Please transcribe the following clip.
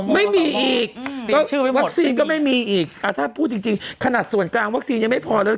ไม่มีอีกวัคซีนก็ไม่มีอีกถ้าพูดจริงขนาดส่วนกลางวัคซีนยังไม่พอแล้ว